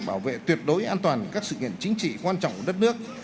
bảo vệ tuyệt đối an toàn các sự kiện chính trị quan trọng của đất nước